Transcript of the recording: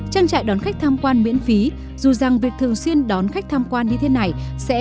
trang trại đón khách tham quan miễn phí dù rằng việc thường xuyên đón khách tham quan như thế này sẽ